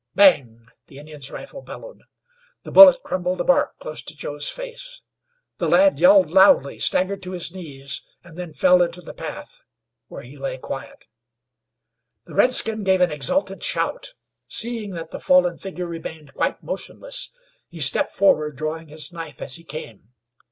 "Bang!" The Indian's rifle bellowed; the bullet crumbled the bark close to Joe's face. The lad yelled loudly, staggered to his knees, and then fell into the path, where he lay quiet. The redskin gave an exultant shout. Seeing that the fallen figure remained quite motionless he stepped forward, drawing his knife as he came.